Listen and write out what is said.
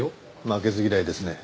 負けず嫌いですね。